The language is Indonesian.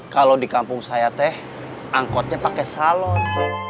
kalau di kampung saya teh angkotnya pakai salon